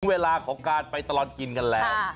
เวลาของการไปตลอดกินกันแล้ว